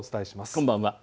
こんばんは。